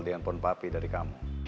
dia ngepon papi dari kamu